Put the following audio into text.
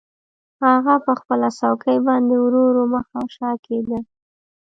هغه په خپله څوکۍ باندې ورو ورو مخ او شا کیده